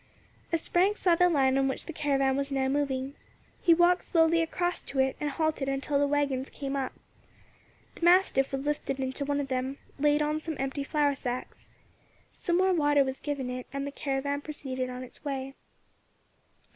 As Frank saw the line on which the caravan was now moving, he walked slowly across to it and halted until the waggons came up. The mastiff was lifted into one of them, and laid on some empty flour sacks. Some more water was given it, and the caravan proceeded on its way.